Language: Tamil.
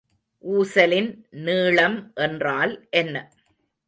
ஊசலின் நீளம் என்றால் என்ன?